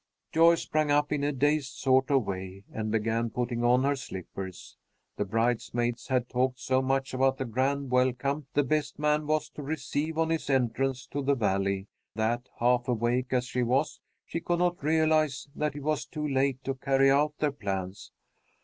Joyce sprang up in a dazed sort of way, and began putting on her slippers. The bridesmaids had talked so much about the grand welcome the best man was to receive on his entrance to the Valley that, half awake as she was, she could not realize that it was too late to carry out their plans.